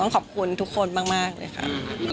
มันเอาขอบคุณทุกคนมากเลยดีไหมครับ